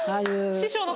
師匠の。